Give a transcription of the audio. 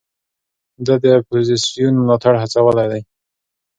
ده د اپوزېسیون ملاتړ هڅولی دی.